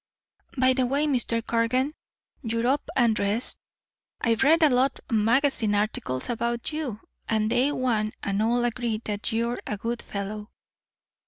"By the way, Mr. Cargan, you're up and dressed. I've read a lot of magazine articles about you, and they one and all agree that you're a good fellow.